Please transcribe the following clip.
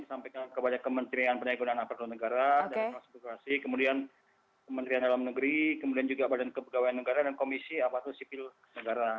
sampai ke kementerian peneguran apatun negara kementerian dalam negeri kementerian kepegawaian negara dan komisi apatun sipil negara